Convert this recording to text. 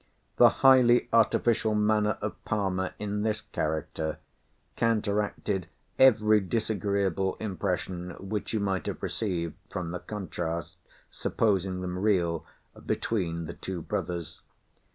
The highly artificial manner of Palmer in this character counteracted every disagreeable impression which you might have received from the contrast, supposing them real, between the two brothers.